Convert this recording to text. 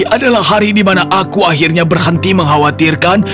adalah hari di mana aku akhirnya berhenti mengkhawatirkan